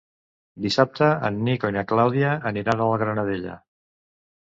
Dissabte en Nico i na Clàudia aniran a la Granadella.